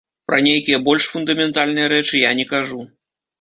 Пра нейкія больш фундаментальныя рэчы я не кажу.